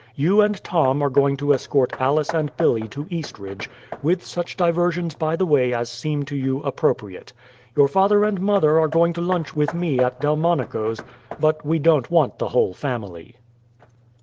You and Tom are going to escort Alice and Billy to Eastridge, with such diversions by the way as seem to you appropriate. Your father and mother are going to lunch with me at Delmonico's but we don't want the whole family."